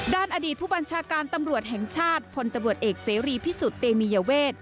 อดีตผู้บัญชาการตำรวจแห่งชาติพลตำรวจเอกเสรีพิสุทธิ์เตมียเวท